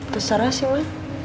terserah sih ma